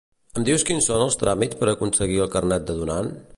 Em dius quins són els tràmits per aconseguir el carnet de donant?